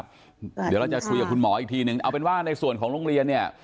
เดี๋ยวเราจะคุยกับคุณหมออีกทีนึงเอาเป็นว่าในส่วนของโรงเรียนเนี่ย